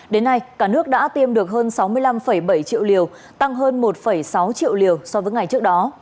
đến nay cả nước đã tiêm được hơn sáu mươi năm bảy triệu liều tăng hơn một sáu triệu liều so với ngày trước đó